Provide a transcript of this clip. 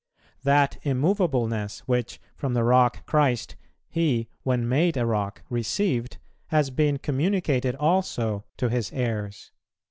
"[162:1] "That immoveableness, which, from the Rock Christ, he, when made a rock, received, has been communicated also to his heirs."